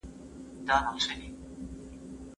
غوره انسان هغه دی چې اخلاق يې ښه وي.